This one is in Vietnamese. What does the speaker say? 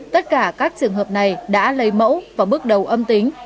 tất cả các trường hợp này đã lấy mẫu và bước đầu âm tính